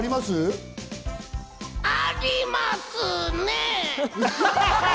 ありますね。